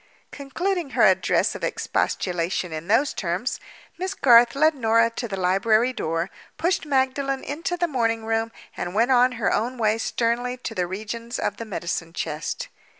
Concluding her address of expostulation in those terms, Miss Garth led Norah to the library door, pushed Magdalen into the morning room, and went on her own way sternly to the regions of the medicine chest.